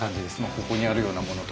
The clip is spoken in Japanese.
ここにあるようなものとか。